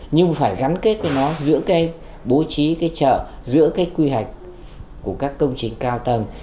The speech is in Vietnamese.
nhưng phải gắn kết với nó giữa bố trí chợ giữa quy hoạch của các công trình cao tầng